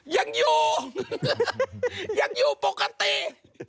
ยังอยู่ยังอยู่ปกติ